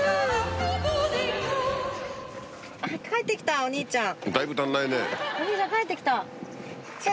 帰って来たお兄ちゃん。